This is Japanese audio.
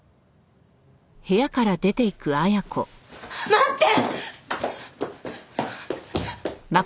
待って！